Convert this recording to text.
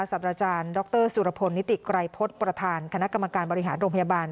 สัตว์อาจารย์ดรสุรพลนิติไกรพฤษประธานคณะกรรมการบริหารโรงพยาบาล